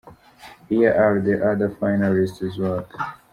Here are the other finalists’ work.